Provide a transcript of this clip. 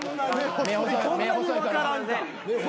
そんなに分からんか？